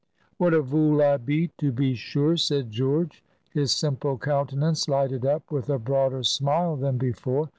"What a vool I be, to be sure!" said George, his simple countenance lighted up with a broader smile than before.